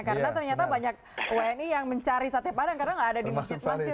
karena ternyata banyak wni yang mencari sate padang karena nggak ada di masjid masjid